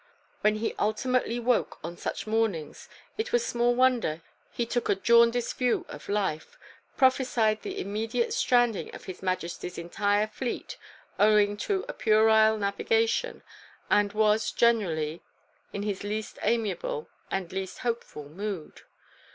When he ultimately woke on such mornings it was small wonder he took a jaundiced view of life, prophesied the immediate stranding of His Majesty's entire Fleet owing to puerile navigation, and was, generally, in his least amiable and least hopeful mood.